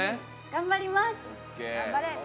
頑張れ！